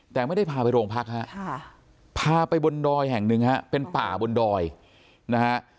แต่ไม่ได้พาไปโรงพักฮะพาไปบนดอยแห่งหนึ่งฮะเป็นป่าบนดอยนะฮะ